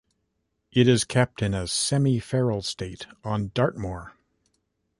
It is kept in a semi-feral state on Dartmoor.